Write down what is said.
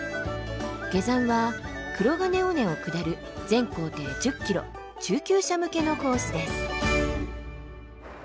下山は黒金尾根を下る全行程１０ｋｍ中級者向けのコースです。